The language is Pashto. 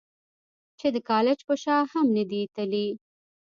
چې د کالج پۀ شا هم نۀ دي تلي -